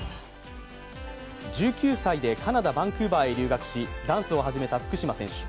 １９歳でカナダ・バンクーバーへ留学し、ダンスを始めた福島選手。